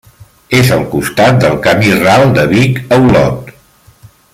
És al costat del Camí ral de Vic a Olot.